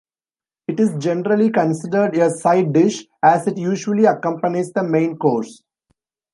It is generally considered a side dish, as it usually accompanies the main course.